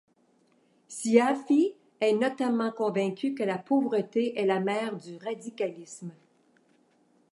Syafi'i est notamment convaincu que la pauvreté est la mère du radicalisme.